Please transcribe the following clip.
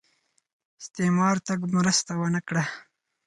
استعمار تګ مرسته ونه کړه